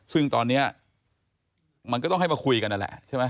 ซึ่งตอนนี้มันก็ต้องให้มาคุยกันนั่นแหละใช่ไหม